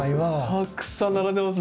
たくさん並んでますね。